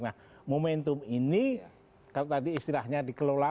nah momentum ini kalau tadi istilahnya dikelola